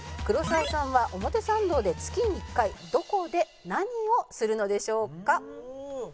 「黒沢さんは表参道で月に１回どこで何をするのでしょうか？」